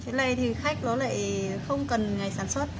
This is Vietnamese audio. thế này thì khách nó lại không cần ngày sản xuất